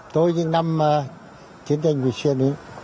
tôi những năm chiến tranh vị xuyên